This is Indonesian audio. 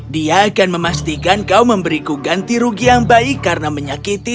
dia akan memastikan kau memberiku ganti rugi yang baik karena menyakiti